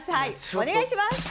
お願いします。